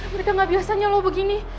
mereka gak biasanya nyolo begini